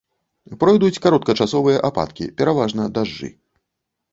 Пройдуць кароткачасовыя ападкі, пераважна дажджы.